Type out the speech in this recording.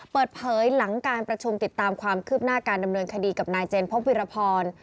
เปิดเผยหลังการประชุมติดตามความคืบหน้าการดำเนินคดีกับนายเจนพบวิรพร